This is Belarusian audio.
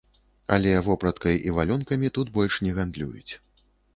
Але вопраткай і валёнкамі тут больш не гандлююць.